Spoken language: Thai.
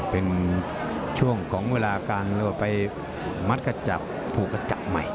เป็นช่วงของเวลาการไปมัดกระจับผูกกระจับใหม่